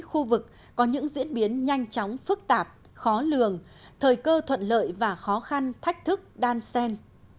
khu vực có những diễn biến nhanh chóng phức tạp khó lường thời cơ thuận lợi và khó khăn thách thức đan sen